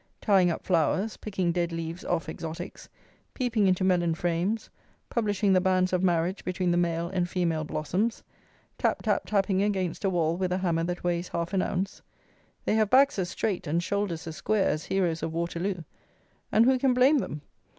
Tying up flowers, picking dead leaves off exotics, peeping into melon frames, publishing the banns of marriage between the "male" and "female" blossoms, tap tap tapping against a wall with a hammer that weighs half an ounce. They have backs as straight and shoulders as square as heroes of Waterloo; and who can blame them?